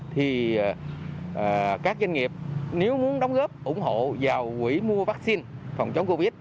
thì các doanh nghiệp nếu muốn đóng góp ủng hộ vào quỹ mua vaccine phòng chống covid